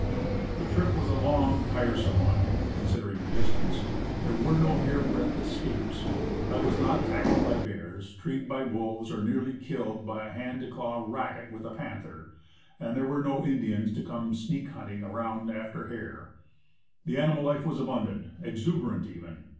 The trip was a long and tiresome one, considering the distance. There were no hairbreadth escapes; I was not tackled by bears, treed by wolves, or nearly killed by a hand to claw "racket" with a panther; and there were no Indians to come sneak hunting around after hair. Animal life was abundant, exu berant, even.